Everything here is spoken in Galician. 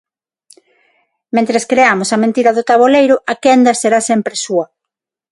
Mentres creamos a mentira do taboleiro, a quenda será sempre súa.